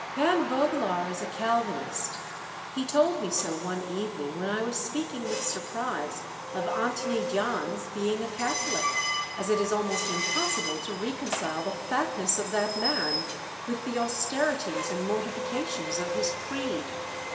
Van Vogelaar is a Calvinist ; he told me so one evening when I was speaking with surprise of Antony Jans being a Catholic, as it is almost impossible to reconcile the fat ness of that man with the austerities and mortifications of his creed."